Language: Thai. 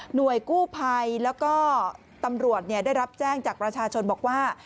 กู้ภัยแล้วก็ตำรวจได้รับแจ้งจากประชาชนบอกว่า